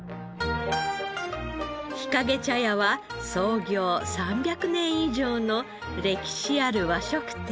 日影茶屋は創業３００年以上の歴史ある和食店。